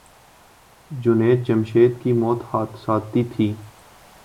جنید جمشید کی موت حادثاتی تھی۔